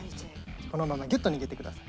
このままギュッと握ってください。